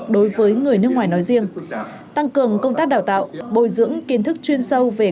đối với người nước ngoài nói riêng tăng cường công tác đào tạo bồi dưỡng kiến thức chuyên sâu về